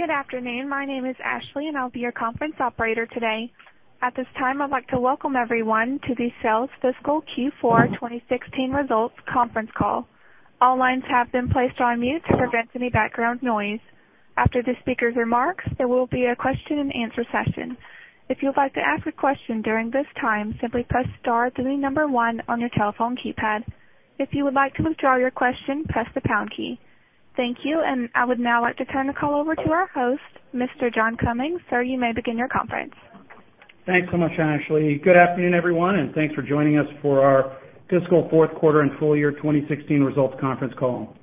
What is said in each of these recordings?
Good afternoon. My name is Ashley, and I'll be your conference operator today. At this time, I'd like to welcome everyone to the Salesforce Fiscal Q4 2016 Results Conference Call. All lines have been placed on mute to prevent any background noise. After the speaker's remarks, there will be a question and answer session. If you would like to ask a question during this time, simply press star, then the number one on your telephone keypad. If you would like to withdraw your question, press the pound key. Thank you. I would now like to turn the call over to our host, Mr. John Cummings. Sir, you may begin your conference. Thanks so much, Ashley. Good afternoon, everyone. Thanks for joining us for our fiscal fourth quarter and full year 2016 results conference call.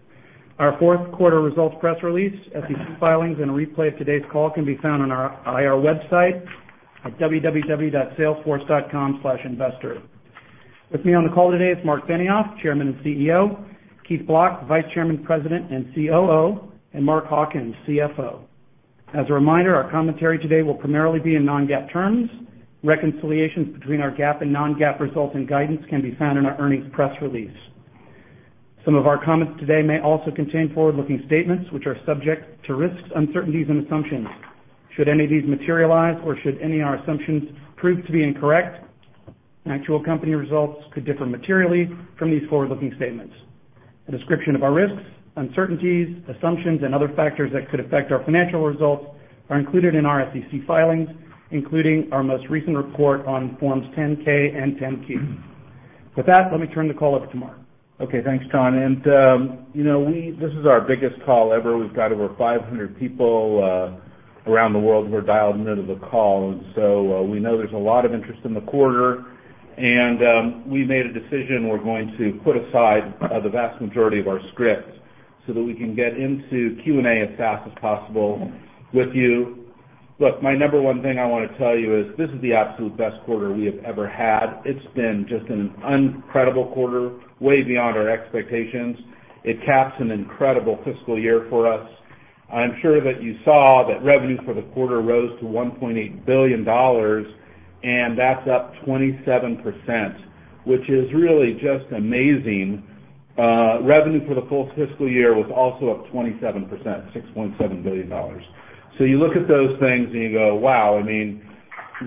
Our fourth quarter results press release, SEC filings, and a replay of today's call can be found on our IR website at www.salesforce.com/investor. With me on the call today is Marc Benioff, Chairman and CEO, Keith Block, Vice Chairman, President and COO, and Mark Hawkins, CFO. As a reminder, our commentary today will primarily be in non-GAAP terms. Reconciliations between our GAAP and non-GAAP results and guidance can be found in our earnings press release. Some of our comments today may also contain forward-looking statements, which are subject to risks, uncertainties, and assumptions. Should any of these materialize or should any of our assumptions prove to be incorrect, actual company results could differ materially from these forward-looking statements. A description of our risks, uncertainties, assumptions, and other factors that could affect our financial results are included in our SEC filings, including our most recent report on forms 10-K and 10-Q. With that, let me turn the call over to Marc. Okay, thanks, John. This is our biggest call ever. We've got over 500 people around the world who are dialed into the call. We know there's a lot of interest in the quarter, and we made a decision. We're going to put aside the vast majority of our script so that we can get into Q&A as fast as possible with you. Look, my number 1 thing I want to tell you is this is the absolute best quarter we have ever had. It's been just an incredible quarter, way beyond our expectations. It caps an incredible fiscal year for us. I'm sure that you saw that revenue for the quarter rose to $1.8 billion, and that's up 27%, which is really just amazing. Revenue for the full fiscal year was also up 27%, $6.7 billion. You look at those things, and you go, "Wow."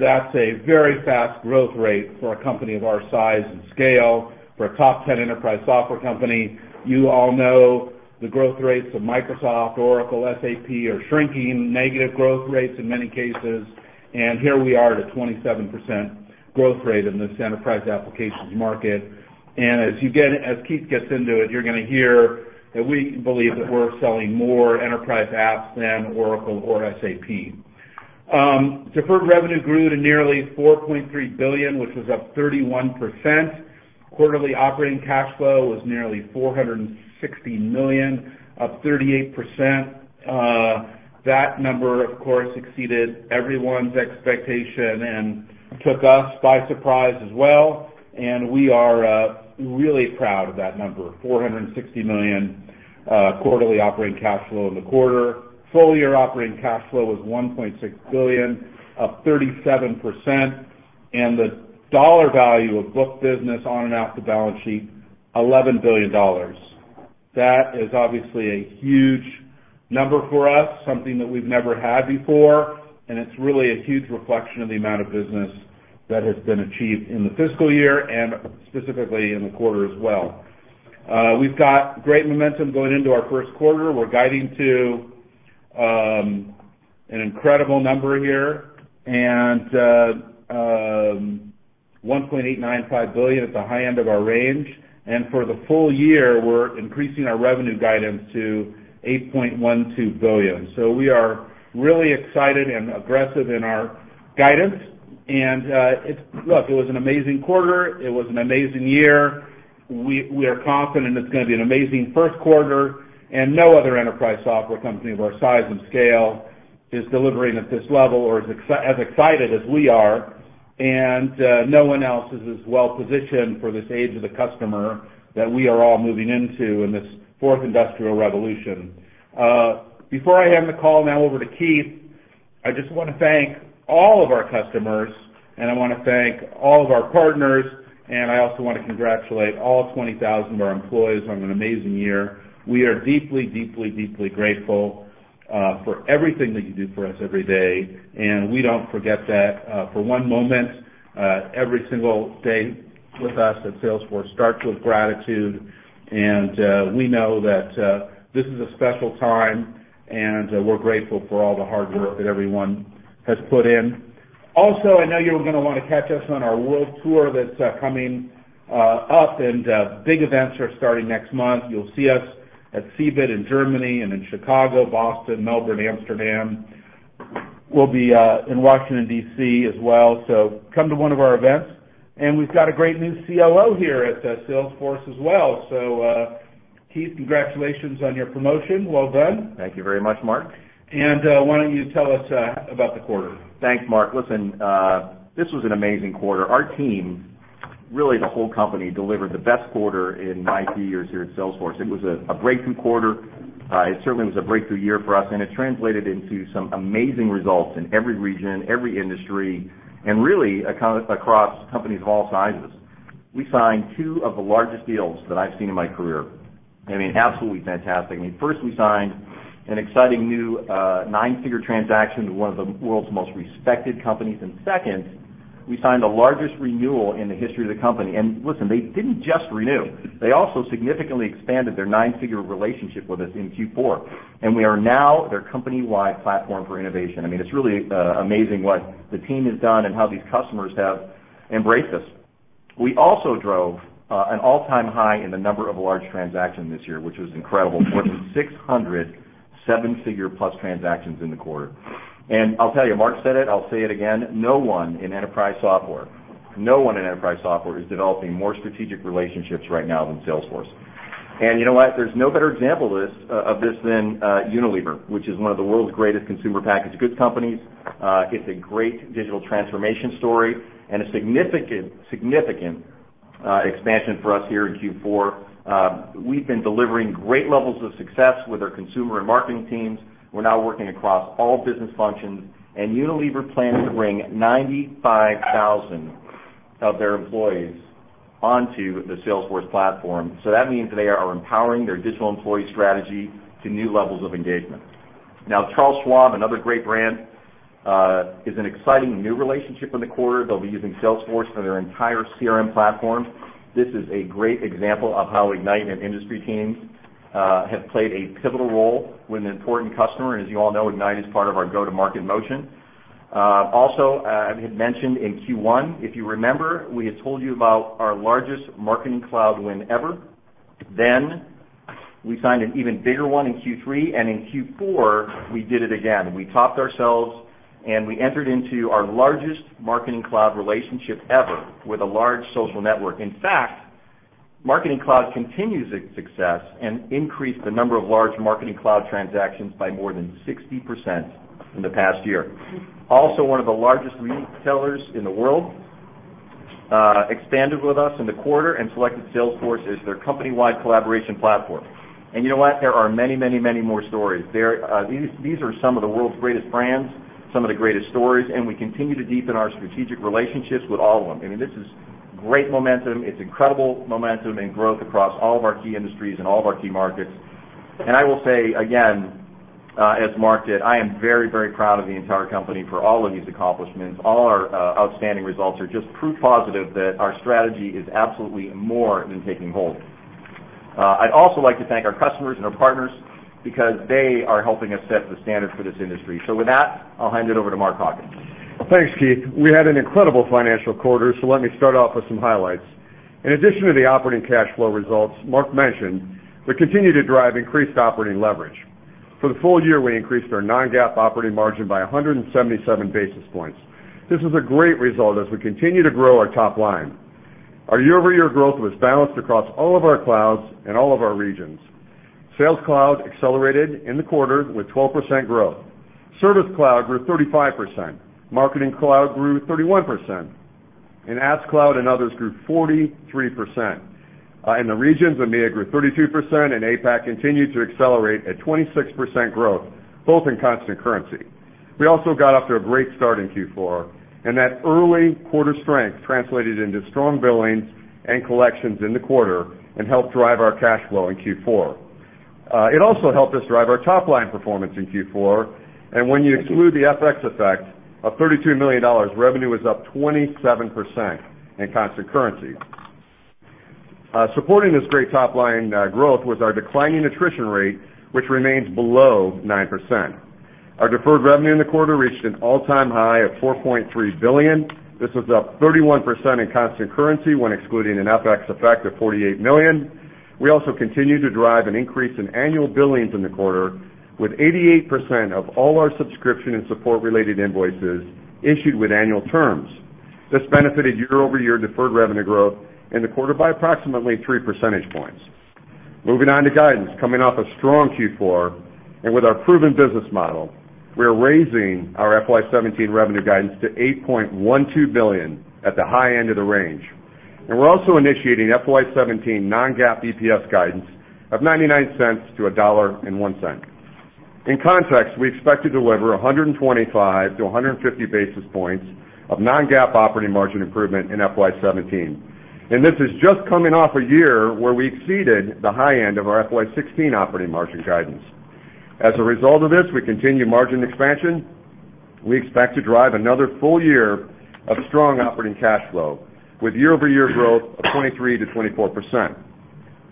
That's a very fast growth rate for a company of our size and scale, for a top 10 enterprise software company. You all know the growth rates of Microsoft, Oracle, SAP are shrinking, negative growth rates in many cases. Here we are at a 27% growth rate in this enterprise applications market. As Keith gets into it, you're going to hear that we believe that we're selling more enterprise apps than Oracle or SAP. Deferred revenue grew to nearly $4.3 billion, which was up 31%. Quarterly operating cash flow was nearly $460 million, up 38%. That number, of course, exceeded everyone's expectation and took us by surprise as well, and we are really proud of that number, $460 million quarterly operating cash flow in the quarter. Full-year operating cash flow was $1.6 billion, up 37%, the dollar value of book business on and off the balance sheet, $11 billion. That is obviously a huge number for us, something that we've never had before, and it's really a huge reflection of the amount of business that has been achieved in the fiscal year and specifically in the quarter as well. We've got great momentum going into our first quarter. We're guiding to an incredible number here, $1.895 billion at the high end of our range. For the full year, we're increasing our revenue guidance to $8.12 billion. We are really excited and aggressive in our guidance. Look, it was an amazing quarter. It was an amazing year. We are confident it's going to be an amazing first quarter, and no other enterprise software company of our size and scale is delivering at this level or is as excited as we are. No one else is as well-positioned for this age of the customer that we are all moving into in this fourth industrial revolution. Before I hand the call now over to Keith, I just want to thank all of our customers, and I want to thank all of our partners, and I also want to congratulate all 20,000 of our employees on an amazing year. We are deeply, deeply grateful for everything that you do for us every day, and we don't forget that for one moment. Every single day with us at Salesforce starts with gratitude, and we know that this is a special time, and we're grateful for all the hard work that everyone has put in. Also, I know you're going to want to catch us on our world tour that's coming up, and big events are starting next month. You'll see us at CeBIT in Germany and in Chicago, Boston, Melbourne, Amsterdam. We'll be in Washington, D.C., as well. Come to one of our events. We've got a great new COO here at Salesforce as well. Keith, congratulations on your promotion. Well done. Thank you very much, Marc. Why don't you tell us about the quarter? Thanks, Marc. Listen, this was an amazing quarter. Our team, really the whole company, delivered the best quarter in my two years here at Salesforce. It was a breakthrough quarter. It certainly was a breakthrough year for us, and it translated into some amazing results in every region, every industry, and really across companies of all sizes. We signed two of the largest deals that I've seen in my career. Absolutely fantastic. First, we signed an exciting new nine-figure transaction with one of the world's most respected companies, and second, we signed the largest renewal in the history of the company. Listen, they didn't just renew. They also significantly expanded their nine-figure relationship with us in Q4, and we are now their company-wide platform for innovation. It's really amazing what the team has done and how these customers have embraced us. We also drove an all-time high in the number of large transactions this year, which was incredible. More than 600 seven-figure plus transactions in the quarter. I'll tell you, Marc said it, I'll say it again, no one in enterprise software is developing more strategic relationships right now than Salesforce. You know what? There's no better example of this than Unilever, which is one of the world's greatest consumer packaged goods companies. It's a great digital transformation story and a significant expansion for us here in Q4. We've been delivering great levels of success with our consumer and Marketing teams. We're now working across all business functions. Unilever plans to bring 95,000 of their employees onto the Salesforce platform. That means they are empowering their digital employee strategy to new levels of engagement. Charles Schwab, another great brand, is an exciting new relationship in the quarter. They'll be using Salesforce for their entire CRM platform. This is a great example of how Ignite and industry teams have played a pivotal role with an important customer. As you all know, Ignite is part of our go-to-market motion. As mentioned in Q1, if you remember, we had told you about our largest Marketing Cloud win ever. We signed an even bigger one in Q3. In Q4, we did it again. We topped ourselves. We entered into our largest Marketing Cloud relationship ever with a large social network. In fact, Marketing Cloud continues its success and increased the number of large Marketing Cloud transactions by more than 60% in the past year. One of the largest retailers in the world expanded with us in the quarter and selected Salesforce as their company-wide collaboration platform. You know what? There are many, many, many more stories. These are some of the world's greatest brands, some of the greatest stories. We continue to deepen our strategic relationships with all of them. This is great momentum. It's incredible momentum and growth across all of our key industries and all of our key markets. I will say again, as Mark did, I am very, very proud of the entire company for all of these accomplishments. All our outstanding results are just proof positive that our strategy is absolutely more than taking hold. I'd also like to thank our customers and our partners because they are helping us set the standard for this industry. With that, I'll hand it over to Mark Hawkins. Thanks, Keith. We had an incredible financial quarter. Let me start off with some highlights. In addition to the operating cash flow results Mark mentioned, we continue to drive increased operating leverage. For the full year, we increased our non-GAAP operating margin by 177 basis points. This is a great result as we continue to grow our top line. Our year-over-year growth was balanced across all of our clouds and all of our regions. Sales Cloud accelerated in the quarter with 12% growth. Service Cloud grew 35%. Marketing Cloud grew 31%. App Cloud and Other grew 43%. In the regions, EMEA grew 32%. APAC continued to accelerate at 26% growth, both in constant currency. We also got off to a great start in Q4. That early quarter strength translated into strong billings and collections in the quarter and helped drive our cash flow in Q4. It also helped us drive our top-line performance in Q4, and when you exclude the FX effect of $32 million, revenue was up 27% in constant currency. Supporting this great top-line growth was our declining attrition rate, which remains below 9%. Our deferred revenue in the quarter reached an all-time high of $4.3 billion. This was up 31% in constant currency when excluding an FX effect of $48 million. We also continued to drive an increase in annual billings in the quarter, with 88% of all our subscription and support related invoices issued with annual terms. This benefited year-over-year deferred revenue growth in the quarter by approximately three percentage points. Moving on to guidance. Coming off a strong Q4, and with our proven business model, we are raising our FY 2017 revenue guidance to $8.12 billion at the high end of the range. We're also initiating FY 2017 non-GAAP EPS guidance of $0.99-$1.01. In context, we expect to deliver 125 to 150 basis points of non-GAAP operating margin improvement in FY 2017. This is just coming off a year where we exceeded the high end of our FY 2016 operating margin guidance. As a result of this, we continue margin expansion. We expect to drive another full year of strong operating cash flow with year-over-year growth of 23%-24%.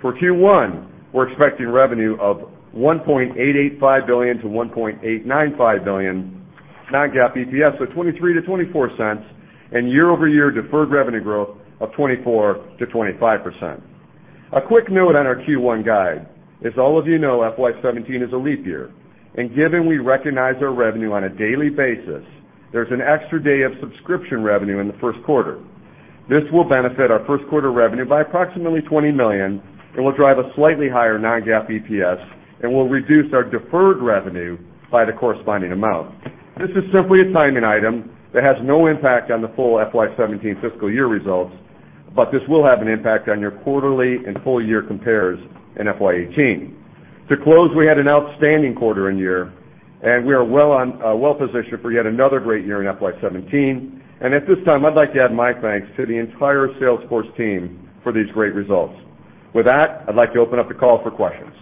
For Q1, we're expecting revenue of $1.885 billion-$1.895 billion, non-GAAP EPS of $0.23-$0.24, and year-over-year deferred revenue growth of 24%-25%. A quick note on our Q1 guide. As all of you know, FY 2017 is a leap year, and given we recognize our revenue on a daily basis, there's an extra day of subscription revenue in the first quarter. This will benefit our first quarter revenue by approximately $20 million and will drive a slightly higher non-GAAP EPS and will reduce our deferred revenue by the corresponding amount. This is simply a timing item that has no impact on the full FY 2017 fiscal year results, but this will have an impact on your quarterly and full-year compares in FY 2018. To close, we had an outstanding quarter and year, and we are well-positioned for yet another great year in FY 2017. At this time, I'd like to add my thanks to the entire Salesforce team for these great results. With that, I'd like to open up the call for questions.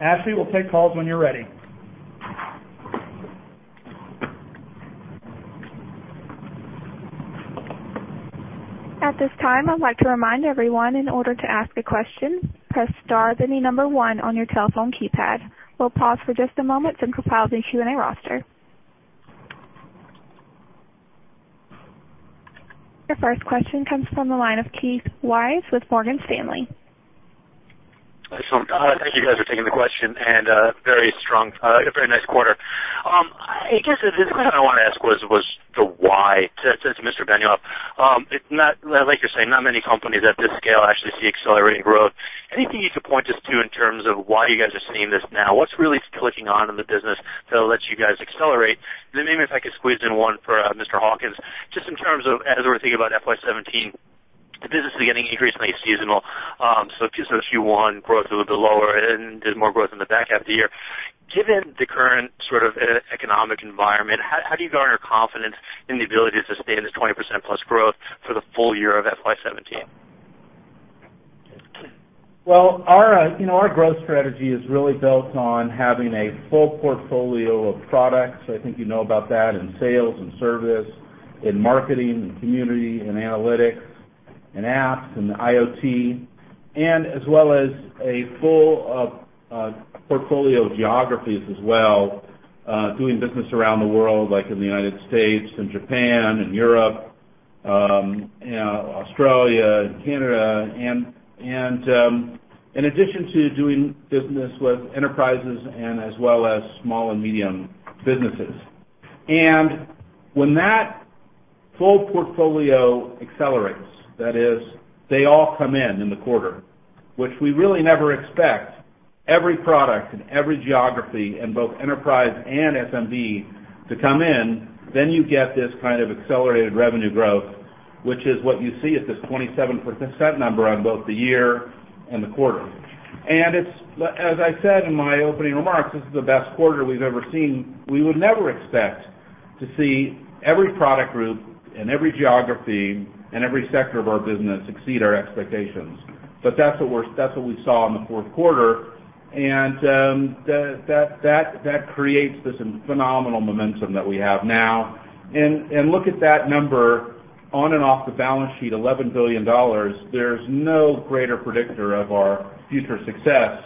Ashley, we'll take calls when you're ready. At this time, I'd like to remind everyone, in order to ask a question, press star, then the number one on your telephone keypad. We'll pause for just a moment to compile the Q&A roster. Your first question comes from the line of Keith Weiss with Morgan Stanley. Excellent. Thank you guys for taking the question, and very nice quarter. I guess the thing I want to ask was the why. To Mr. Benioff, like you're saying, not many companies at this scale actually see accelerating growth. Anything you could point us to in terms of why you guys are seeing this now? What's really clicking on in the business that lets you guys accelerate? Then maybe if I could squeeze in one for Mr. Hawkins, just in terms of, as we're thinking about FY 2017, the business is getting increasingly seasonal. Q1 growth was a little bit lower, and there's more growth in the back half of the year. Given the current sort of economic environment, how do you garner confidence in the ability to sustain this 20%+ growth for the full year of FY 2017? Well, our growth strategy is really built on having a full portfolio of products, I think you know about that, in sales and service, in marketing and community, in analytics and apps and the IoT, and as well as a full portfolio of geographies as well, doing business around the world, like in the U.S. and Japan and Europe, Australia and Canada, and in addition to doing business with enterprises and as well as small and medium businesses. When that full portfolio accelerates, that is, they all come in in the quarter, which we really never expect, every product in every geography in both enterprise and SMB to come in, then you get this kind of accelerated revenue growth, which is what you see at this 27% number on both the year and the quarter. As I said in my opening remarks, this is the best quarter we've ever seen. We would never expect to see every product group in every geography and every sector of our business exceed our expectations. That's what we saw in the fourth quarter, and that creates this phenomenal momentum that we have now. Look at that number on and off the balance sheet, $11 billion. There's no greater predictor of our future success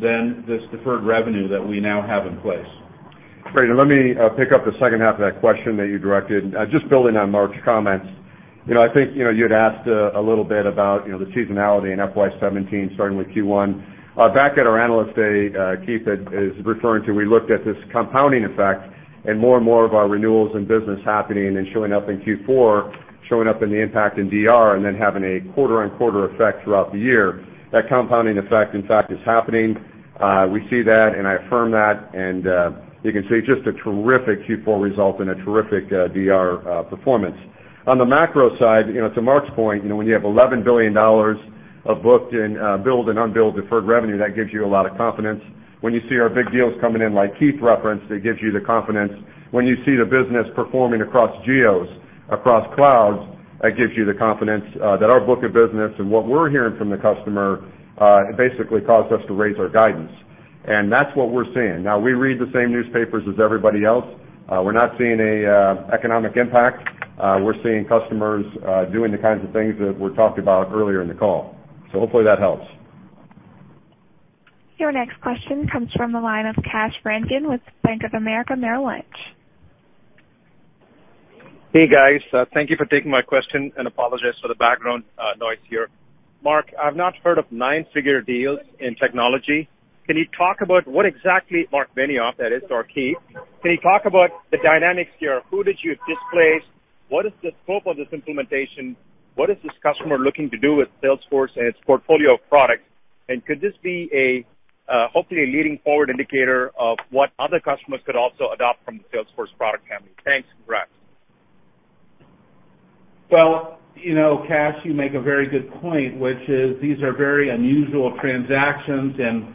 than this deferred revenue that we now have in place. Great. Let me pick up the second half of that question that you directed. Just building on Marc's comments, I think you had asked a little bit about the seasonality in FY 2017, starting with Q1. Back at our Analyst Day, Keith is referring to, we looked at this compounding effect and more and more of our renewals and business happening and showing up in Q4, showing up in the impact in DR and then having a quarter-on-quarter effect throughout the year. That compounding effect, in fact, is happening. We see that, and I affirm that, and you can see just a terrific Q4 result and a terrific DR performance. On the macro side, to Marc's point, when you have $11 billion of booked and billed and unbilled deferred revenue, that gives you a lot of confidence. When you see our big deals coming in, like Keith referenced, it gives you the confidence. When you see the business performing across geos, across clouds, that gives you the confidence that our book of business and what we're hearing from the customer basically caused us to raise our guidance. That's what we're seeing. We read the same newspapers as everybody else. We're not seeing an economic impact. We're seeing customers doing the kinds of things that were talked about earlier in the call. Hopefully that helps. Your next question comes from the line of Kash Rangan with Bank of America Merrill Lynch. Hey, guys. Thank you for taking my question, and apologize for the background noise here. Marc, I've not heard of nine-figure deals in technology. Marc Benioff, that is, or Keith, can you talk about the dynamics here? Who did you displace? What is the scope of this implementation? What is this customer looking to do with Salesforce and its portfolio of products? Could this be a, hopefully, a leading forward indicator of what other customers could also adopt from the Salesforce product family? Thanks. Congrats. Well, Kash, you make a very good point, which is these are very unusual transactions, and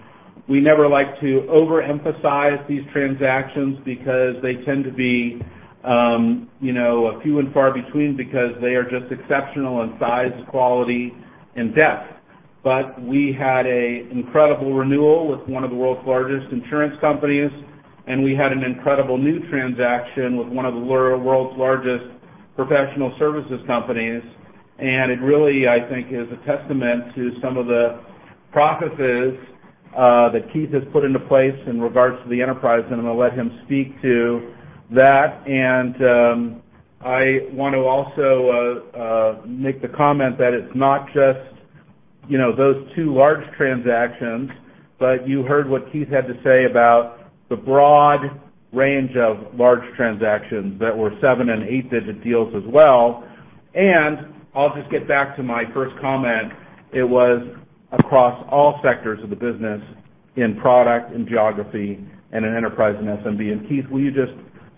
we never like to overemphasize these transactions because they tend to be a few and far between because they are just exceptional in size, quality, and depth. We had an incredible renewal with one of the world's largest insurance companies, and we had an incredible new transaction with one of the world's largest professional services companies, and it really, I think, is a testament to some of the processes that Keith has put into place in regards to the enterprise, and I'm going to let him speak to that. I want to also make the comment that it's not just those two large transactions, but you heard what Keith had to say about the broad range of large transactions that were seven and eight-digit deals as well. I'll just get back to my first comment. It was across all sectors of the business. In product, in geography, and in enterprise and SMB. Keith, will you just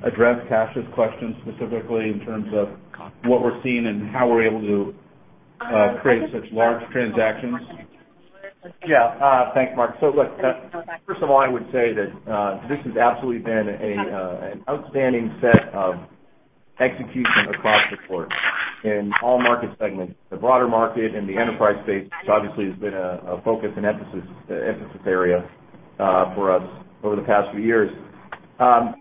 address Kash's question specifically in terms of what we're seeing and how we're able to create such large transactions? Yeah. Thanks, Mark. Look, first of all, I would say that, this has absolutely been an outstanding set of execution across the board in all market segments, the broader market and the enterprise space, which obviously has been a focus and emphasis area for us over the past few years.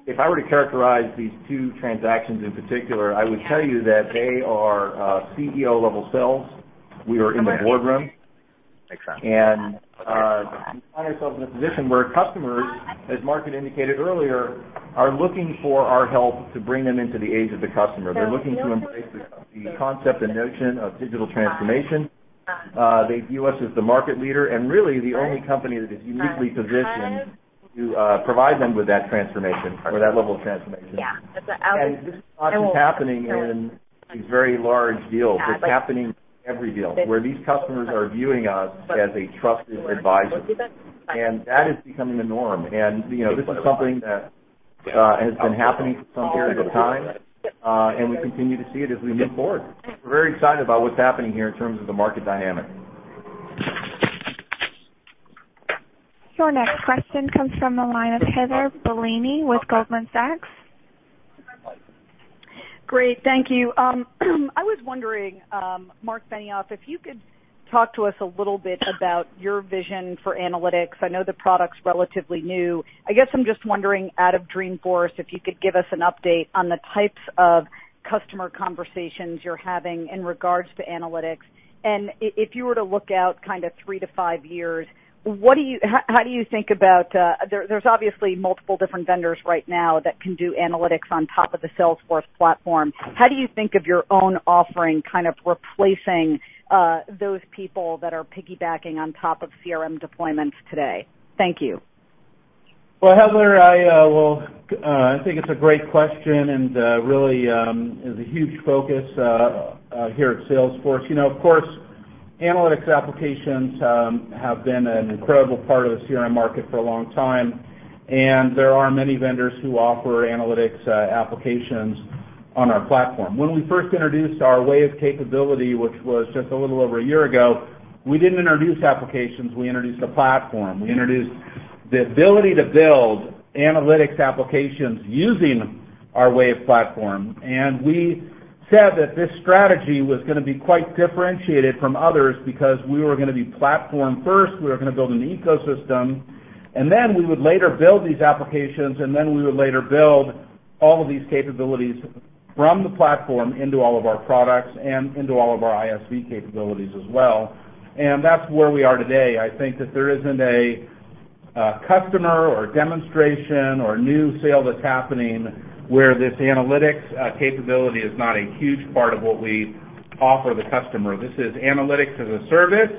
If I were to characterize these two transactions in particular, I would tell you that they are CEO-level sales. We are in the boardroom, and we find ourselves in a position where customers, as Mark indicated earlier, are looking for our help to bring them into the age of the customer. They're looking to embrace the concept and notion of digital transformation. They view us as the market leader and really the only company that is uniquely positioned to provide them with that transformation or that level of transformation. This is not just happening in these very large deals. It's happening in every deal, where these customers are viewing us as a trusted advisor. That is becoming the norm. This is something that has been happening for some period of time, we continue to see it as we move forward. We're very excited about what's happening here in terms of the market dynamic. Your next question comes from the line of Heather Bellini with Goldman Sachs. Great. Thank you. I was wondering, Marc Benioff, if you could talk to us a little bit about your vision for analytics. I know the product's relatively new. I guess I'm just wondering, out of Dreamforce, if you could give us an update on the types of customer conversations you're having in regards to analytics. If you were to look out three to five years, how do you think about There's obviously multiple different vendors right now that can do analytics on top of the Salesforce platform? How do you think of your own offering replacing those people that are piggybacking on top of CRM deployments today? Thank you. Well, Heather, I think it's a great question. Really, it is a huge focus here at Salesforce. Of course, analytics applications have been an incredible part of the CRM market for a long time. There are many vendors who offer analytics applications on our platform. When we first introduced our Wave capability, which was just a little over a year ago, we didn't introduce applications, we introduced a platform. We introduced the ability to build analytics applications using our Wave platform. We said that this strategy was going to be quite differentiated from others because we were going to be platform first. We were going to build an ecosystem, then we would later build these applications, then we would later build all of these capabilities from the platform into all of our products and into all of our ISV capabilities as well. That's where we are today. I think that there isn't a customer or demonstration or new sale that's happening where this analytics capability is not a huge part of what we offer the customer. This is analytics as a service.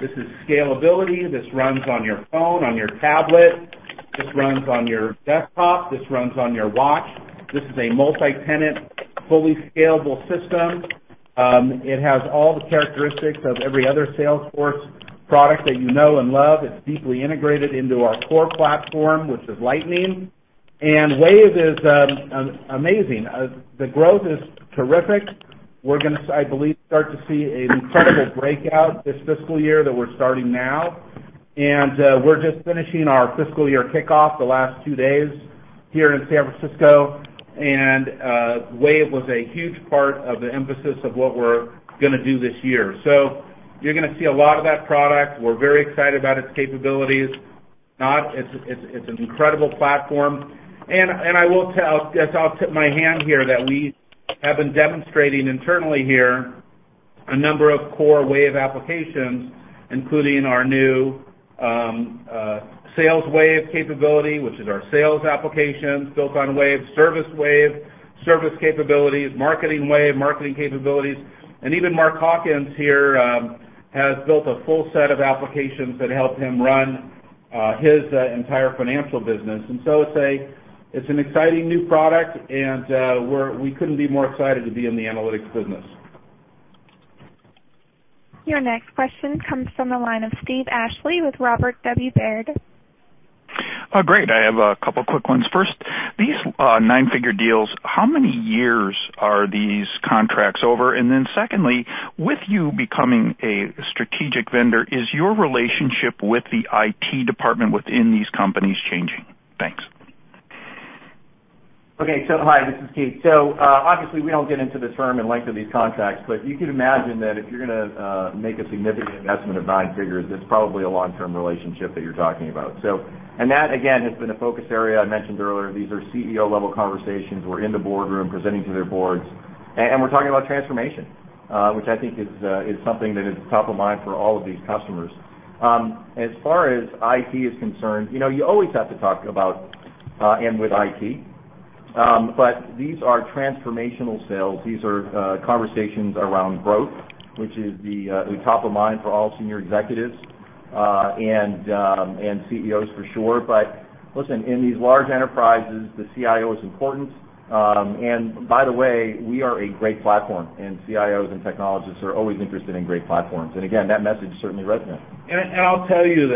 This is scalability. This runs on your phone, on your tablet. This runs on your desktop. This runs on your watch. This is a multi-tenant, fully scalable system. It has all the characteristics of every other Salesforce product that you know and love. It's deeply integrated into our core platform, which is Lightning. Wave is amazing. The growth is terrific. We're going to, I believe, start to see an incredible breakout this fiscal year that we're starting now. We're just finishing our fiscal year kickoff the last two days here in San Francisco, and Wave was a huge part of the emphasis of what we're going to do this year. You're going to see a lot of that product. We're very excited about its capabilities. It's an incredible platform. I will tell, I guess I'll tip my hand here, that we have been demonstrating internally here a number of core Wave applications, including our new Sales Wave capability, which is our sales application built on Wave. Service Wave, service capabilities. Marketing Wave, marketing capabilities. Even Mark Hawkins here has built a full set of applications that help him run his entire financial business. It's an exciting new product, and we couldn't be more excited to be in the analytics business. Your next question comes from the line of Steve Ashley with Robert W. Baird. Great. I have a couple of quick ones. First, these nine-figure deals, how many years are these contracts over? Secondly, with you becoming a strategic vendor, is your relationship with the IT department within these companies changing? Thanks. Okay. Hi, this is Keith. Obviously, we don't get into the term and length of these contracts, but you can imagine that if you're going to make a significant investment of nine figures, it's probably a long-term relationship that you're talking about. That, again, has been a focus area I mentioned earlier. These are CEO-level conversations. We're in the boardroom presenting to their boards, and we're talking about transformation, which I think is something that is top of mind for all of these customers. As far as IT is concerned, you always have to talk about and with IT. These are transformational sales. These are conversations around growth, which is top of mind for all senior executives, and CEOs for sure. Listen, in these large enterprises, the CIO is important. By the way, we are a great platform, and CIOs and technologists are always interested in great platforms. Again, that message certainly resonates. I'll tell you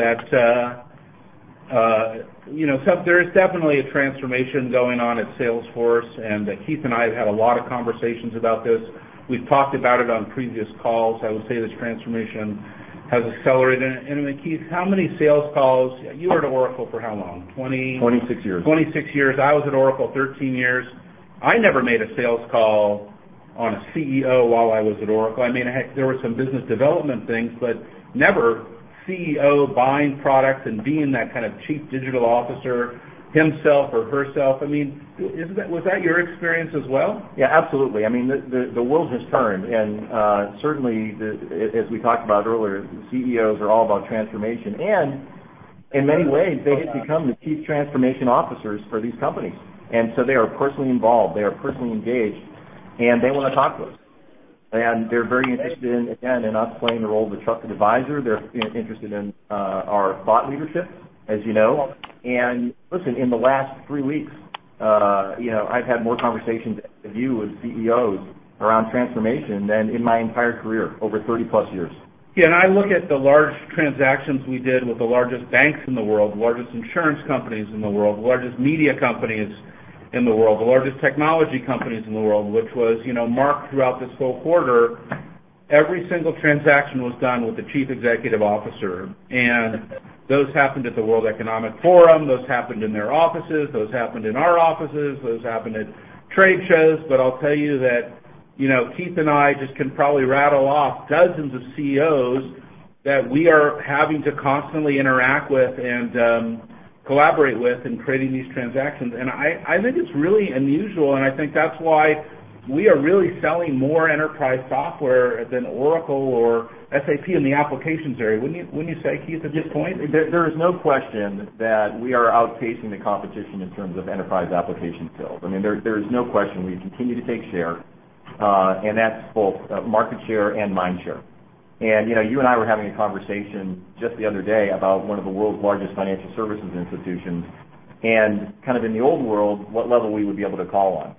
there is definitely a transformation going on at Salesforce, and Keith and I have had a lot of conversations about this. We've talked about it on previous calls. I would say this transformation has accelerated. Keith, how many sales calls? You were at Oracle for how long? 20- 26 years. 26 years. I was at Oracle 13 years. I never made a sales call on a CEO while I was at Oracle. There were some business development things, but never CEO buying products and being that kind of chief digital officer himself or herself. Was that your experience as well? Yeah, absolutely. The world has turned. Certainly, as we talked about earlier, CEOs are all about transformation. In many ways, they have become the chief transformation officers for these companies. They are personally involved, they are personally engaged, and they want to talk to us. They're very interested in, again, in us playing the role of the trusted advisor. They're interested in our thought leadership, as you know. Listen, in the last three weeks, I've had more conversations with CEOs around transformation than in my entire career, over 30-plus years. Yeah, I look at the large transactions we did with the largest banks in the world, the largest insurance companies in the world, the largest media companies in the world, the largest technology companies in the world, which was marked throughout this whole quarter. Every single transaction was done with the chief executive officer. Those happened at the World Economic Forum, those happened in their offices, those happened in our offices, those happened at trade shows. I'll tell you that Keith and I just can probably rattle off dozens of CEOs that we are having to constantly interact with and collaborate with in creating these transactions. I think it's really unusual. I think that's why we are really selling more enterprise software than Oracle or SAP in the applications area. Wouldn't you say, Keith, at this point? There is no question that we are outpacing the competition in terms of enterprise application sales. There is no question. We continue to take share, and that's both market share and mind share. You and I were having a conversation just the other day about one of the world's largest financial services institutions, and, in the old world, what level we would be able to call on.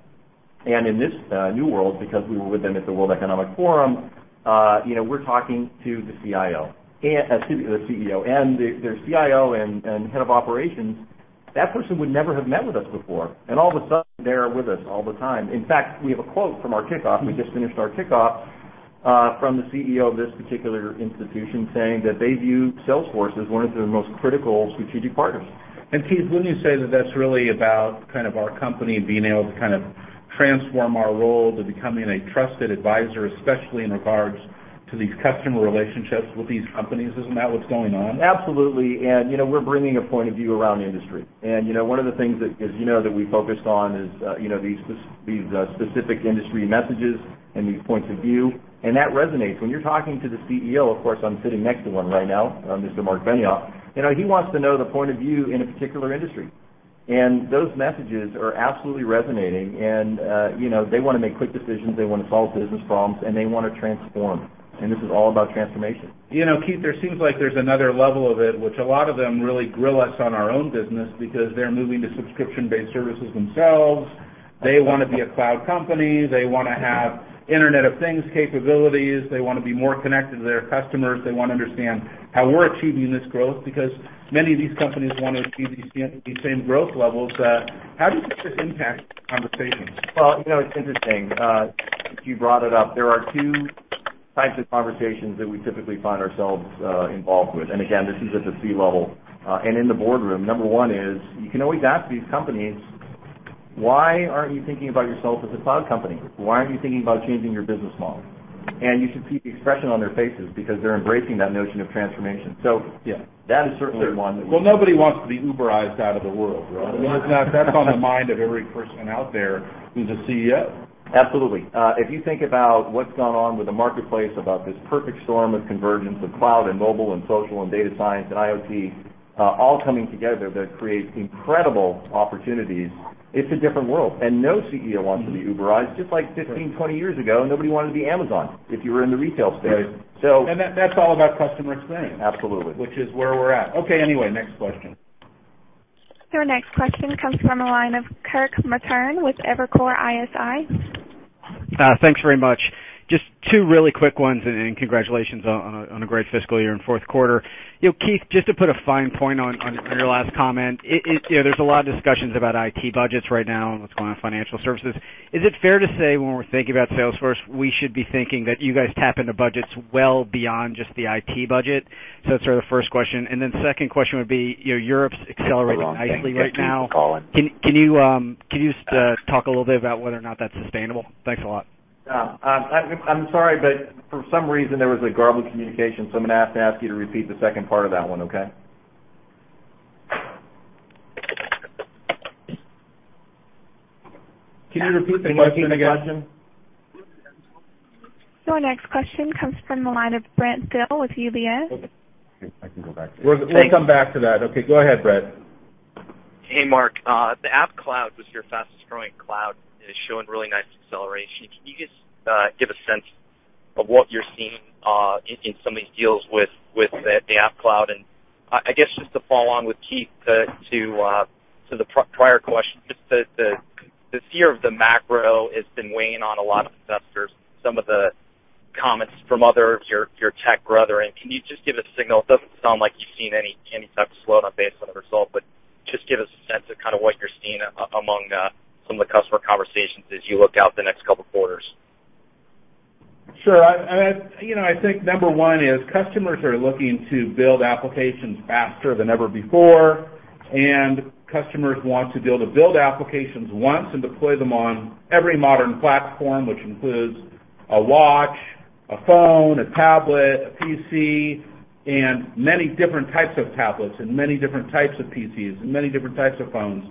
In this new world, because we were with them at the World Economic Forum, we're talking to the CEO and their CIO and head of operations. That person would never have met with us before. All of a sudden, they're with us all the time. In fact, we have a quote from our kickoff, we just finished our kickoff, from the CEO of this particular institution saying that they view Salesforce as one of their most critical strategic partners. Keith, wouldn't you say that that's really about our company being able to transform our role to becoming a trusted advisor, especially in regards to these customer relationships with these companies? Isn't that what's going on? Absolutely. We're bringing a point of view around the industry. One of the things that, as you know, that we focused on is these specific industry messages and these points of view, and that resonates. When you're talking to the CEO, of course, I'm sitting next to one right now, Mr. Marc Benioff, he wants to know the point of view in a particular industry, and those messages are absolutely resonating, and they want to make quick decisions, they want to solve business problems, and they want to transform. This is all about transformation. Keith, there seems like there's another level of it, which a lot of them really grill us on our own business because they're moving to subscription-based services themselves. They want to be a cloud company. They want to have Internet of Things capabilities. They want to be more connected to their customers. They want to understand how we're achieving this growth because many of these companies want to achieve these same growth levels. How do you think this impacts the conversations? Well, it's interesting. You brought it up. There are two types of conversations that we typically find ourselves involved with, and again, this is at the C-level and in the boardroom. Number one is you can always ask these companies, "Why aren't you thinking about yourself as a cloud company? Why aren't you thinking about changing your business model?" You should see the expression on their faces because they're embracing that notion of transformation. Well, nobody wants to be Uberized out of the world, right? That's on the mind of every person out there who's a CEO. Absolutely. If you think about what's gone on with the marketplace, about this perfect storm of convergence of cloud and mobile and social and data science and IoT all coming together that creates incredible opportunities, it's a different world. No CEO wants to be Uberized, just like 15, 20 years ago, nobody wanted to be Amazon if you were in the retail space. That's all about customer experience. Absolutely. Which is where we're at. Okay, anyway, next question. Your next question comes from the line of Kirk Materne with Evercore ISI. Thanks very much. Congratulations on a great fiscal year and fourth quarter. Keith, just to put a fine point on your last comment, there's a lot of discussions about IT budgets right now and what's going on in financial services. Is it fair to say, when we're thinking about Salesforce, we should be thinking that you guys tap into budgets well beyond just the IT budget? That's sort of the first question. Second question would be, Europe's accelerating nicely right now. Can you talk a little bit about whether or not that's sustainable? Thanks a lot. I'm sorry, for some reason, there was a garbled communication, I'm going to have to ask you to repeat the second part of that one, okay? Can you repeat the question again? Your next question comes from the line of Brent Thill with UBS. I can go back. We'll come back to that. Okay, go ahead, Brent. Hey, Mark. The App Cloud was your fastest growing cloud, and it's showing really nice acceleration. Can you just give a sense of what you're seeing in some of these deals with the App Cloud? I guess just to follow on with Keith to the prior question Fear of the macro has been weighing on a lot of investors, some of the comments from others, your tech brethren. Can you just give a signal? It doesn't sound like you've seen any type of slowdown based on the result, just give us a sense of what you're seeing among some of the customer conversations as you look out the next couple of quarters. Sure. I think number one is customers are looking to build applications faster than ever before. Customers want to be able to build applications once and deploy them on every modern platform, which includes a watch, a phone, a tablet, a PC, and many different types of tablets and many different types of PCs and many different types of phones.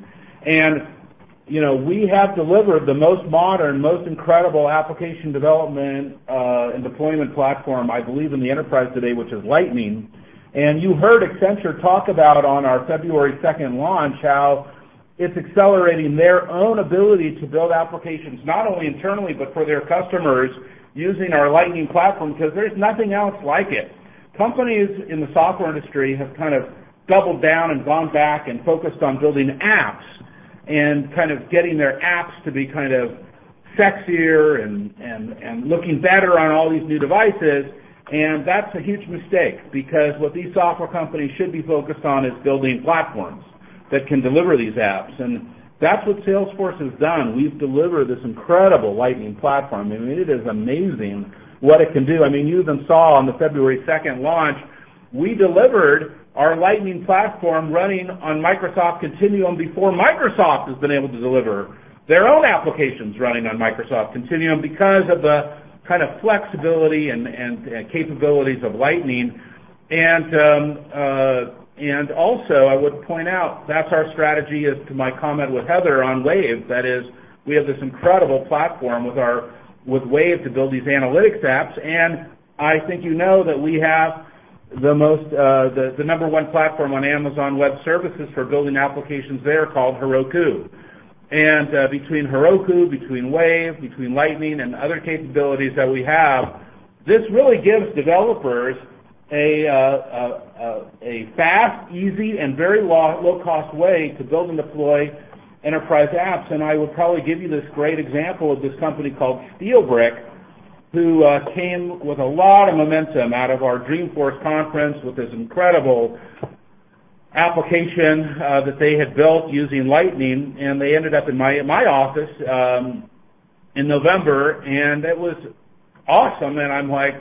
We have delivered the most modern, most incredible application development and deployment platform, I believe, in the enterprise today, which is Lightning. You heard Accenture talk about on our February 2nd launch, how it's accelerating their own ability to build applications, not only internally but for their customers, using our Lightning platform, because there's nothing else like it. Companies in the software industry have kind of doubled down and gone back and focused on building apps and getting their apps to be sexier and looking better on all these new devices. That's a huge mistake because what these software companies should be focused on is building platforms that can deliver these apps, and that's what Salesforce has done. We've delivered this incredible Lightning platform. It is amazing what it can do. You even saw on the February 2nd launch, we delivered our Lightning platform running on Microsoft Continuum before Microsoft has been able to deliver their own applications running on Microsoft Continuum because of the kind of flexibility and capabilities of Lightning. Also, I would point out, that's our strategy as to my comment with Heather on Wave. That is, we have this incredible platform with Wave to build these analytics apps. I think you know that we have the number one platform on Amazon Web Services for building applications there called Heroku. Between Heroku, between Wave, between Lightning, and other capabilities that we have, this really gives developers a fast, easy, and very low-cost way to build and deploy enterprise apps. I would probably give you this great example of this company called SteelBrick, who came with a lot of momentum out of our Dreamforce conference with this incredible application that they had built using Lightning. They ended up in my office in November, and it was awesome. I'm like,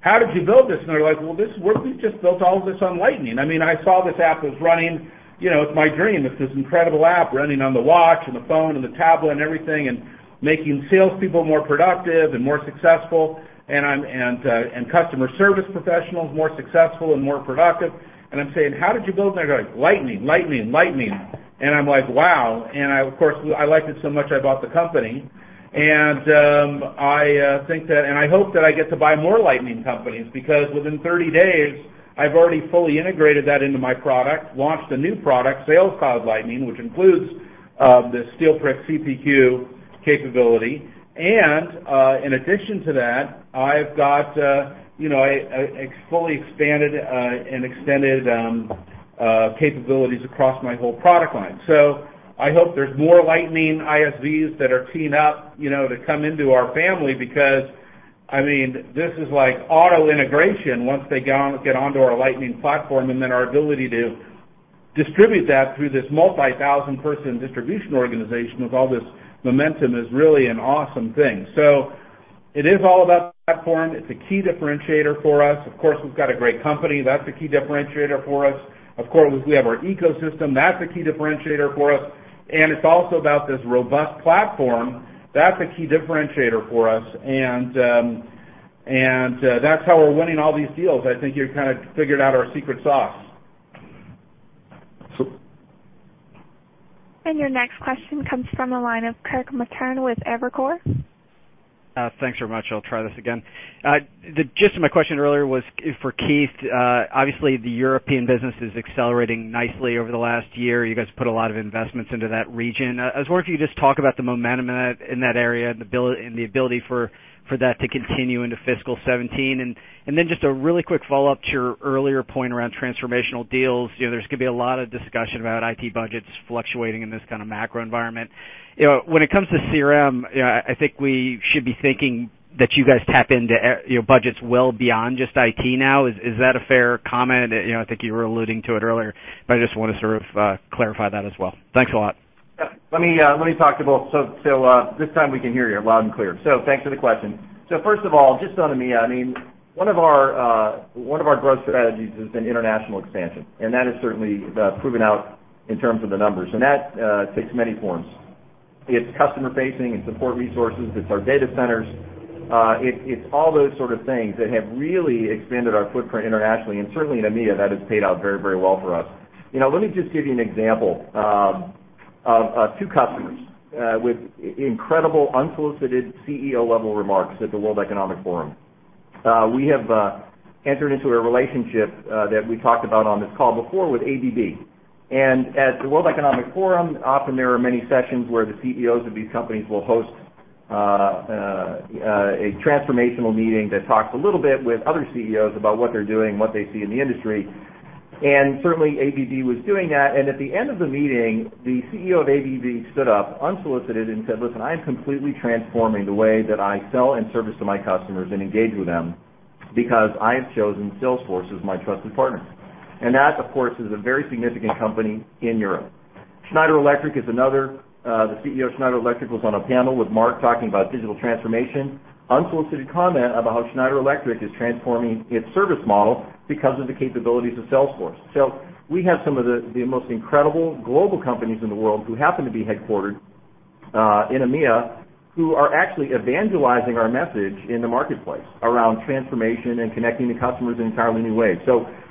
"How did you build this?" They're like, "Well, we just built all of this on Lightning." I saw this app, it's running. It's my dream. It's this incredible app running on the watch and the phone and the tablet and everything, and making salespeople more productive and more successful, and customer service professionals more successful and more productive. I'm saying, "How did you build that?" They're like, "Lightning." I'm like, "Wow." Of course, I liked it so much, I bought the company. I hope that I get to buy more Lightning companies, because within 30 days, I've already fully integrated that into my product, launched a new product, Sales Cloud Lightning, which includes the SteelBrick CPQ capability. In addition to that, I've got a fully expanded and extended capabilities across my whole product line. I hope there's more Lightning ISVs that are teeing up to come into our family because this is like auto integration once they get onto our Lightning platform, and then our ability to distribute that through this multi-thousand-person distribution organization with all this momentum is really an awesome thing. It is all about the platform. It's a key differentiator for us. Of course, we've got a great company. That's a key differentiator for us. Of course, we have our ecosystem. That's a key differentiator for us. It's also about this robust platform. That's a key differentiator for us, and that's how we're winning all these deals. I think you've figured out our secret sauce. Your next question comes from the line of Kirk Materne with Evercore. Thanks very much. I'll try this again. The gist of my question earlier was for Keith. Obviously, the European business is accelerating nicely over the last year. You guys put a lot of investments into that region. I was wondering if you could just talk about the momentum in that area and the ability for that to continue into fiscal 2017. Just a really quick follow-up to your earlier point around transformational deals. There's going to be a lot of discussion about IT budgets fluctuating in this kind of macro environment. When it comes to CRM, I think we should be thinking that you guys tap into budgets well beyond just IT now. Is that a fair comment? I think you were alluding to it earlier, but I just want to sort of clarify that as well. Thanks a lot. Let me talk to both. This time we can hear you loud and clear. Thanks for the question. First of all, just on EMEA, one of our growth strategies has been international expansion, and that has certainly proven out in terms of the numbers, and that takes many forms. It's customer-facing, it's support resources, it's our data centers. It's all those sort of things that have really expanded our footprint internationally, and certainly in EMEA, that has paid out very well for us. Let me just give you an example of two customers with incredible, unsolicited CEO-level remarks at the World Economic Forum. We have entered into a relationship that we talked about on this call before with ABB. At the World Economic Forum, often there are many sessions where the CEOs of these companies will host a transformational meeting that talks a little bit with other CEOs about what they're doing and what they see in the industry. Certainly, ABB was doing that. At the end of the meeting, the CEO of ABB stood up unsolicited and said, "Listen, I am completely transforming the way that I sell and service to my customers and engage with them because I have chosen Salesforce as my trusted partner." That, of course, is a very significant company in Europe. Schneider Electric is another. The CEO of Schneider Electric was on a panel with Mark talking about digital transformation, unsolicited comment about how Schneider Electric is transforming its service model because of the capabilities of Salesforce. We have some of the most incredible global companies in the world who happen to be headquartered in EMEA, who are actually evangelizing our message in the marketplace around transformation and connecting to customers in entirely new ways.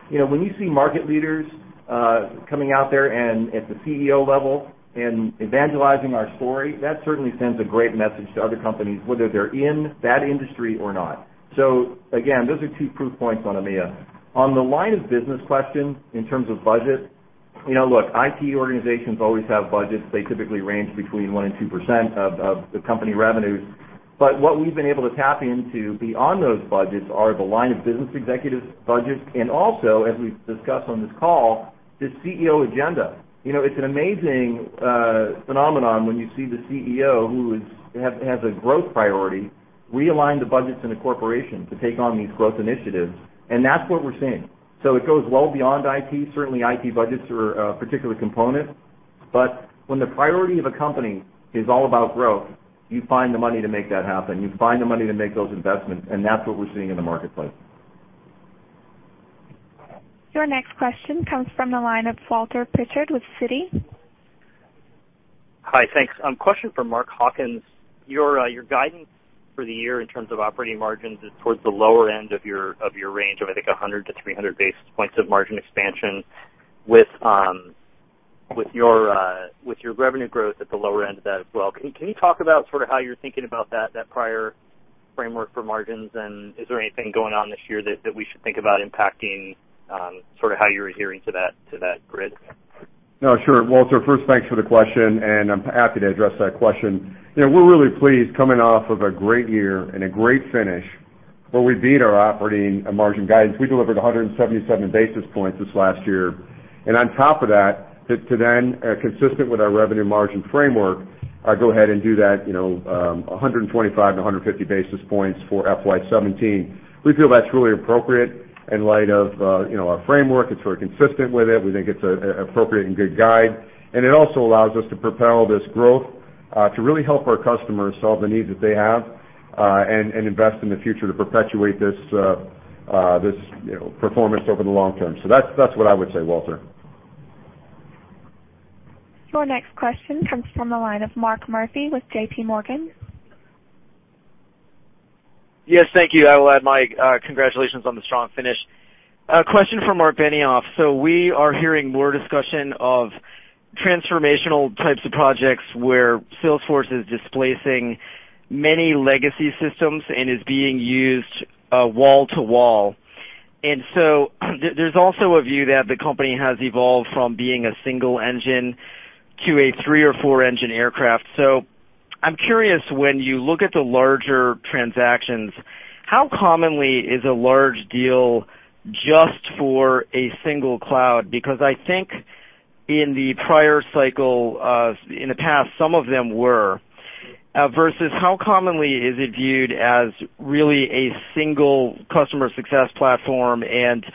When you see market leaders coming out there and at the CEO level and evangelizing our story, that certainly sends a great message to other companies, whether they're in that industry or not. Again, those are two proof points on EMEA. On the line of business question, in terms of budget, look, IT organizations always have budgets. They typically range between 1% and 2% of the company revenues. What we've been able to tap into beyond those budgets are the line of business executives budgets, and also, as we've discussed on this call, the CEO agenda. It's an amazing phenomenon when you see the CEO, who has a growth priority, realign the budgets in the corporation to take on these growth initiatives, and that's what we're seeing. It goes well beyond IT. Certainly, IT budgets are a particular component, when the priority of a company is all about growth, you find the money to make that happen. You find the money to make those investments, and that's what we're seeing in the marketplace. Your next question comes from the line of Walter Pritchard with Citi. Hi, thanks. Question for Mark Hawkins. Your guidance for the year in terms of operating margins is towards the lower end of your range of, I think, 100 to 300 basis points of margin expansion with your revenue growth at the lower end of that as well. Can you talk about how you're thinking about that prior framework for margins, and is there anything going on this year that we should think about impacting how you're adhering to that grid? No, sure, Walter. First, thanks for the question, and I'm happy to address that question. We're really pleased coming off of a great year and a great finish where we beat our operating margin guidance. We delivered 177 basis points this last year. On top of that, to then, consistent with our revenue margin framework, go ahead and do that 125 to 150 basis points for FY 2017. We feel that's really appropriate in light of our framework. It's very consistent with it. We think it's appropriate and good guide, and it also allows us to propel this growth to really help our customers solve the needs that they have, and invest in the future to perpetuate this performance over the long term. That's what I would say, Walter. Your next question comes from the line of Mark Murphy with JP Morgan. Yes, thank you. I will add my congratulations on the strong finish. A question for Marc Benioff. We are hearing more discussion of transformational types of projects where Salesforce is displacing many legacy systems and is being used wall to wall. There's also a view that the company has evolved from being a single engine to a three or four engine aircraft. I'm curious, when you look at the larger transactions, how commonly is a large deal just for a single cloud? Because I think in the prior cycle, in the past, some of them were, versus how commonly is it viewed as really a single customer success platform, and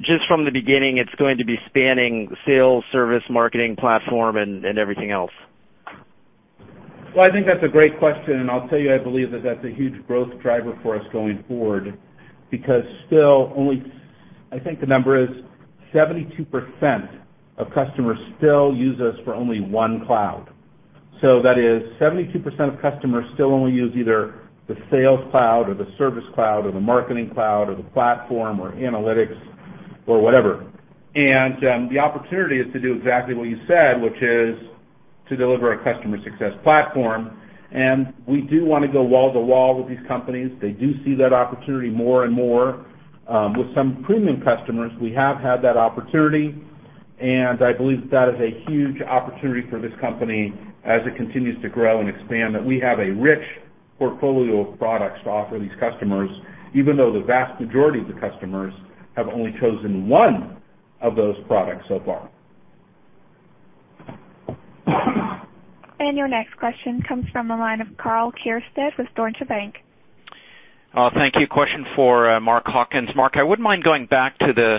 just from the beginning, it's going to be spanning sales, service, marketing platform, and everything else? Well, I think that's a great question, I'll tell you, I believe that that's a huge growth driver for us going forward, because still only, I think the number is 72% of customers still use us for only one cloud. That is 72% of customers still only use either the Salesforce Cloud or the Service Cloud or the Marketing Cloud or the Platform or Analytics or whatever. The opportunity is to do exactly what you said, which is to deliver a customer success platform. We do want to go wall to wall with these companies. They do see that opportunity more and more. With some premium customers, we have had that opportunity, I believe that is a huge opportunity for this company as it continues to grow and expand, that we have a rich portfolio of products to offer these customers, even though the vast majority of the customers have only chosen one of those products so far. Your next question comes from the line of Karl Keirstead with Deutsche Bank. Thank you. Question for Mark Hawkins. Mark, I wouldn't mind going back to the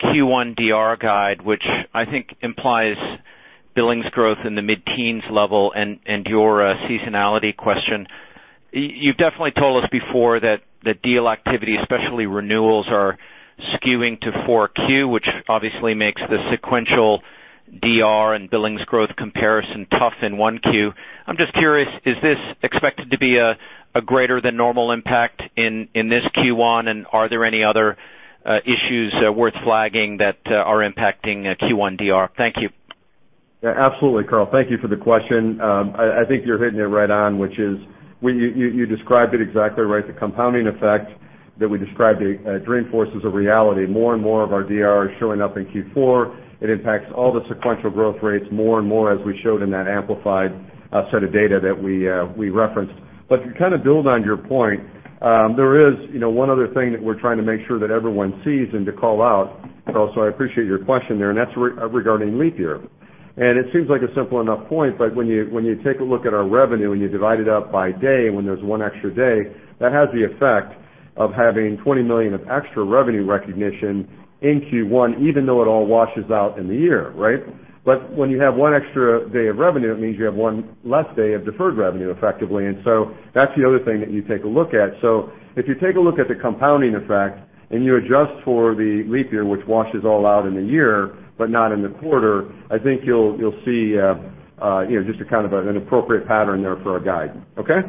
Q1 DR guide, which I think implies billings growth in the mid-teens level and your seasonality question. You've definitely told us before that deal activity, especially renewals, are skewing to 4Q, which obviously makes the sequential DR and billings growth comparison tough in 1Q. I'm just curious, is this expected to be a greater than normal impact in this Q1, and are there any other issues worth flagging that are impacting Q1 DR? Thank you. Yeah, absolutely, Karl. Thank you for the question. I think you're hitting it right on, which is you described it exactly right. The compounding effect that we described at Dreamforce is a reality. More and more of our DR is showing up in Q4. It impacts all the sequential growth rates more and more, as we showed in that amplified set of data that we referenced. To build on your point, there is one other thing that we're trying to make sure that everyone sees and to call out, Karl, so I appreciate your question there, and that's regarding leap year. It seems like a simple enough point, but when you take a look at our revenue and you divide it up by day, when there's one extra day, that has the effect of having $20 million of extra revenue recognition in Q1, even though it all washes out in the year, right? When you have one extra day of revenue, it means you have one less day of deferred revenue, effectively. That's the other thing that you take a look at. If you take a look at the compounding effect and you adjust for the leap year, which washes all out in the year but not in the quarter, I think you'll see just an appropriate pattern there for our guide. Okay?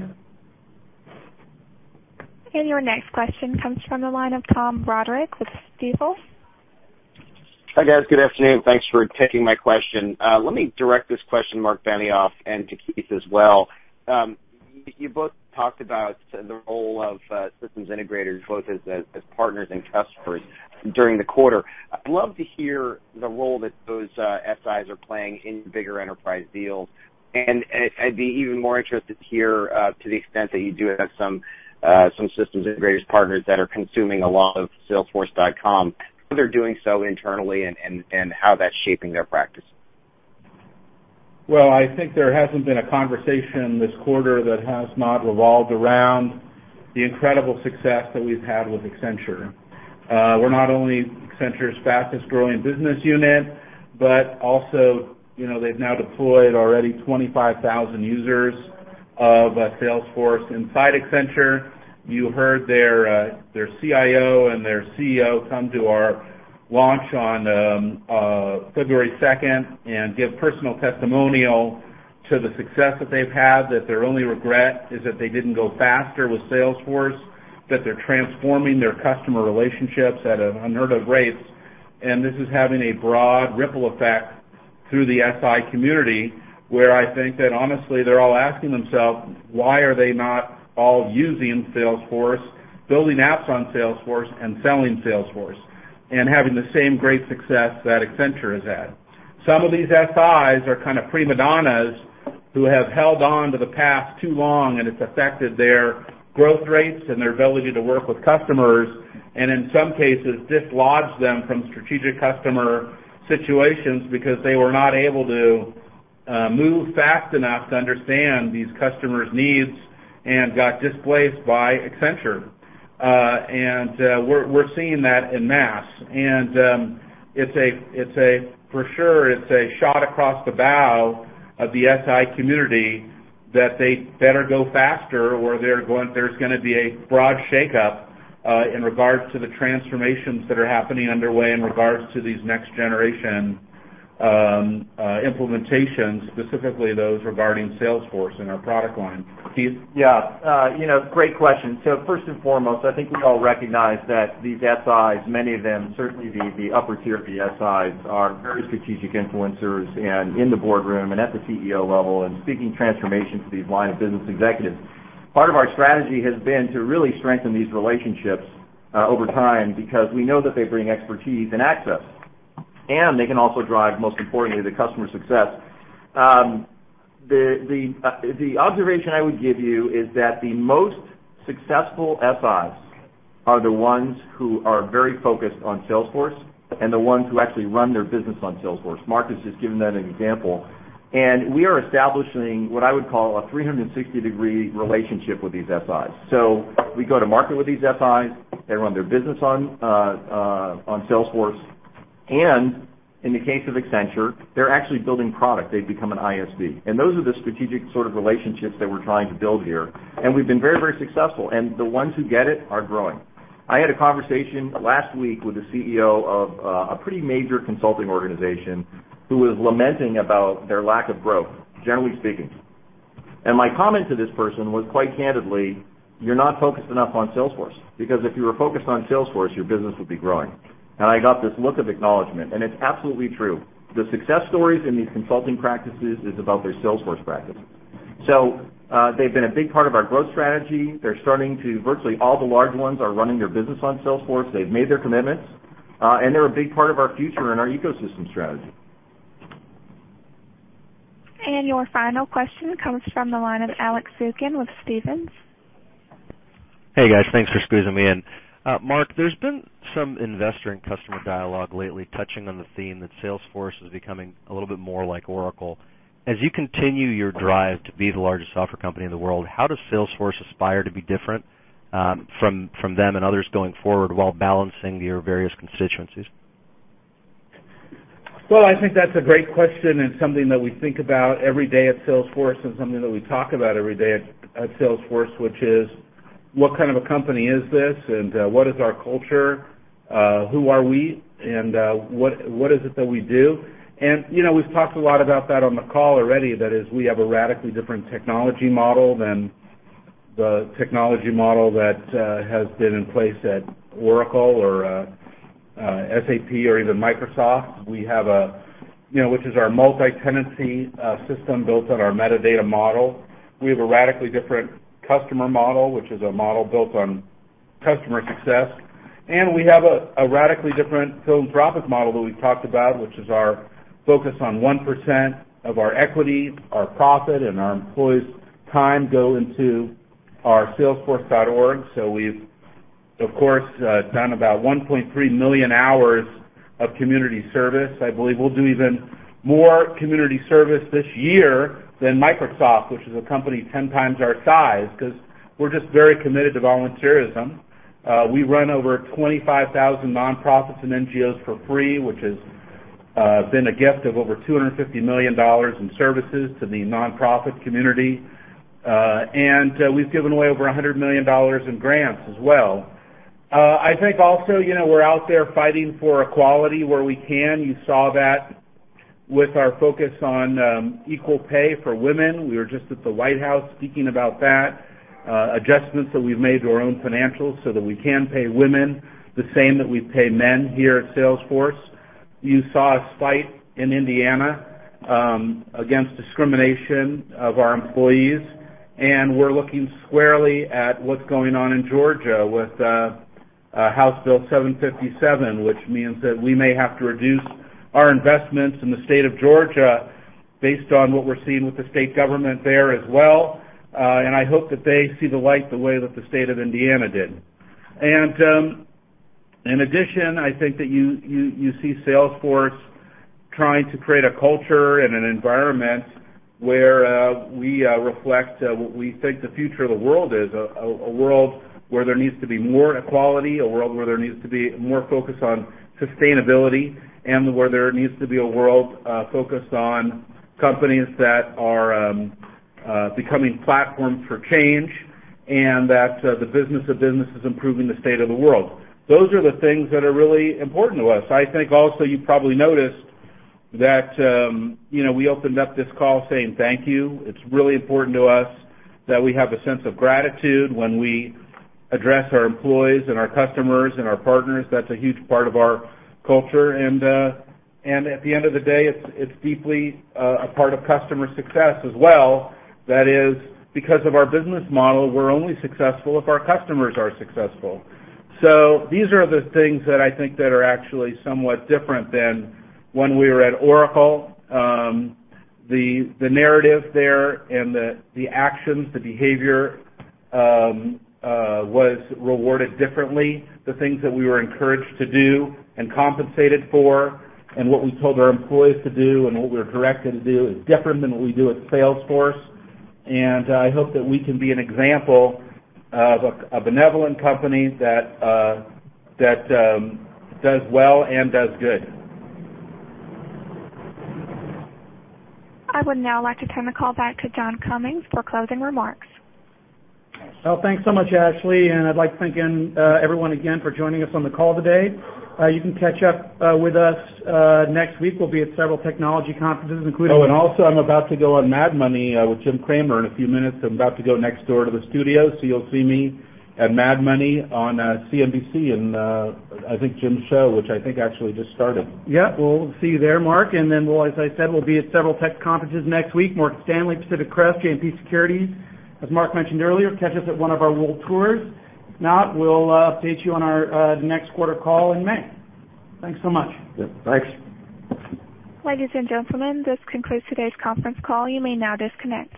Your next question comes from the line of Thomas Roderick with Stifel. Hi, guys. Good afternoon. Thanks for taking my question. Let me direct this question, Marc Benioff, and to Keith as well. You both talked about the role of systems integrators, both as partners and customers during the quarter. I'd love to hear the role that those SIs are playing in bigger enterprise deals. I'd be even more interested to hear, to the extent that you do have some systems integrators partners that are consuming a lot of Salesforce.com, how they're doing so internally and how that's shaping their practice. Well, I think there hasn't been a conversation this quarter that has not revolved around the incredible success that we've had with Accenture. We're not only Accenture's fastest growing business unit, but also, they've now deployed already 25,000 users of Salesforce inside Accenture. You heard their CIO and their CEO come to our launch on February 2nd and give personal testimonial to the success that they've had, that their only regret is that they didn't go faster with Salesforce, that they're transforming their customer relationships at unheard of rates. This is having a broad ripple effect through the SI community, where I think that honestly, they're all asking themselves, why are they not all using Salesforce, building apps on Salesforce, and selling Salesforce, and having the same great success that Accenture has had? Some of these SIs are kind of prima donnas who have held on to the past too long, it's affected their growth rates and their ability to work with customers, and in some cases, dislodge them from strategic customer situations because they were not able to move fast enough to understand these customers' needs and got displaced by Accenture. We're seeing that en masse. For sure, it's a shot across the bow of the SI community that they better go faster, or there's going to be a broad shakeup in regards to the transformations that are happening underway in regards to these next generation implementations, specifically those regarding Salesforce and our product line. Keith? Yeah. Great question. First and foremost, I think we all recognize that these SIs, many of them, certainly the upper tier of the SIs, are very strategic influencers, in the boardroom, and at the CEO level, and speaking transformation to these line of business executives. Part of our strategy has been to really strengthen these relationships over time, because we know that they bring expertise and access, and they can also drive, most importantly, the customer success. The observation I would give you is that the most successful SIs are the ones who are very focused on Salesforce and the ones who actually run their business on Salesforce. Marc has just given that example. We are establishing what I would call a 360-degree relationship with these SIs. We go to market with these SIs. They run their business on Salesforce. In the case of Accenture, they're actually building product. They've become an ISV. Those are the strategic sort of relationships that we're trying to build here. We've been very successful. The ones who get it are growing. I had a conversation last week with the CEO of a pretty major consulting organization who was lamenting about their lack of growth, generally speaking. My comment to this person was quite candidly, "You're not focused enough on Salesforce, because if you were focused on Salesforce, your business would be growing." I got this look of acknowledgement, and it's absolutely true. The success stories in these consulting practices is about their Salesforce practice. They've been a big part of our growth strategy. Virtually all the large ones are running their business on Salesforce. They've made their commitments, and they're a big part of our future and our ecosystem strategy. Your final question comes from the line of Alex Zukin with Stephens. Hey, guys. Thanks for squeezing me in. Marc, there's been some investor and customer dialogue lately touching on the theme that Salesforce is becoming a little bit more like Oracle. As you continue your drive to be the largest software company in the world, how does Salesforce aspire to be different from them and others going forward while balancing your various constituencies? Well, I think that's a great question and something that we think about every day at Salesforce, and something that we talk about every day at Salesforce, which is: What kind of a company is this, and what is our culture? Who are we, and what is it that we do? We've talked a lot about that on the call already. That is, we have a radically different technology model than the technology model that has been in place at Oracle or SAP or even Microsoft, which is our multi-tenancy system built on our metadata model. We have a radically different customer model, which is a model built on customer success. We have a radically different philanthropic model that we've talked about, which is our focus on 1% of our equity, our profit, and our employees' time go into our Salesforce.org. Of course, done about 1.3 million hours of community service. I believe we'll do even more community service this year than Microsoft, which is a company 10 times our size, because we're just very committed to volunteerism. We run over 25,000 nonprofits and NGOs for free, which has been a gift of over $250 million in services to the nonprofit community. We've given away over $100 million in grants as well. I think also, we're out there fighting for equality where we can. You saw that with our focus on equal pay for women. We were just at the White House speaking about that. Adjustments that we've made to our own financials so that we can pay women the same that we pay men here at Salesforce. You saw us fight in Indiana against discrimination of our employees, we're looking squarely at what's going on in Georgia with House Bill 757, which means that we may have to reduce our investments in the state of Georgia based on what we're seeing with the state government there as well. I hope that they see the light the way that the state of Indiana did. In addition, I think that you see Salesforce trying to create a culture and an environment where we reflect what we think the future of the world is, a world where there needs to be more equality, a world where there needs to be more focus on sustainability, and where there needs to be a world focused on companies that are becoming platforms for change, and that the business of business is improving the state of the world. Those are the things that are really important to us. I think also you probably noticed that we opened up this call saying thank you. It's really important to us that we have a sense of gratitude when we address our employees and our customers and our partners. That's a huge part of our culture. At the end of the day, it's deeply a part of customer success as well. That is, because of our business model, we're only successful if our customers are successful. These are the things that I think that are actually somewhat different than when we were at Oracle. The narrative there and the actions, the behavior, was rewarded differently. The things that we were encouraged to do and compensated for, and what we told our employees to do and what we were directed to do is different than what we do at Salesforce. I hope that we can be an example of a benevolent company that does well and does good. I would now like to turn the call back to John Cummings for closing remarks. Well, thanks so much, Ashley, and I'd like to thank everyone again for joining us on the call today. You can catch up with us next week. We'll be at several technology conferences, including. I'm about to go on "Mad Money" with Jim Cramer in a few minutes. I'm about to go next door to the studio, so you'll see me at "Mad Money" on CNBC and I think Jim's show, which I think actually just started. Yep. We'll see you there, Marc. We'll, as I said, we'll be at several tech conferences next week, Morgan Stanley, Pacific Crest, JMP Securities. As Marc mentioned earlier, catch us at one of our World Tours. If not, we'll update you on our next quarter call in May. Thanks so much. Yep. Thanks. Ladies and gentlemen, this concludes today's conference call. You may now disconnect.